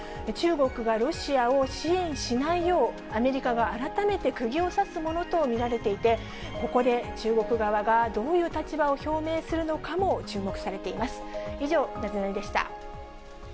中国がロシアを支援しないよう、アメリカが改めてくぎをさすものと見られていて、ここで中国側がどういう立場を表明するのかも注目されています。